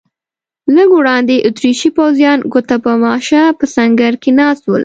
لږ وړاندې اتریشي پوځیان ګوته په ماشه په سنګر کې ناست ول.